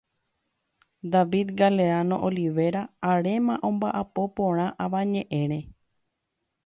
David Galeano Olivera aréma ombaʼapo porã avañeʼẽre.